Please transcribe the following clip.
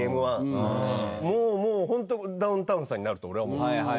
もうもうホントダウンタウンさんになると俺は思う。